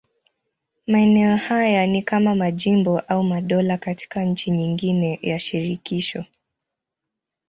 Maeneo haya ni kama majimbo au madola katika nchi nyingine ya shirikisho.